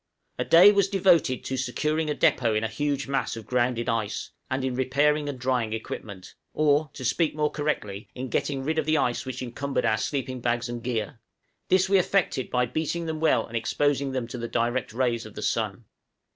A day was devoted to securing a depôt in a huge mass of grounded ice, and in repairing and drying equipment, or, to speak more correctly, in getting rid of the ice which encumbered our sleeping bags and gear; this we effected by beating them well and exposing them to the direct rays of the sun.